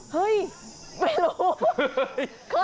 เฮ้ยไม่รู้